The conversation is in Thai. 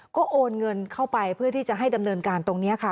ก็โอนเงินเข้าไปเพื่อที่จะให้ดำเนินการตรงนี้ค่ะ